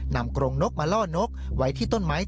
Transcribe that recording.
กรงนกมาล่อนกไว้ที่ต้นไม้